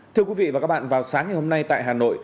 thưa quý vị và các bạn vào sáng ngày hôm nay tại hà nội